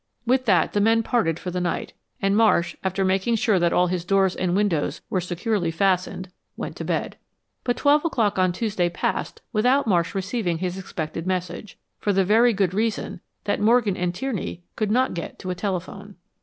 With that, the men parted for the night and Marsh, after making sure that all his doors and windows were securely fastened, went to bed. But twelve o'clock on Tuesday passed without Marsh receiving his expected message, for the very good reason that Morgan and Tierney could not get to a telephone.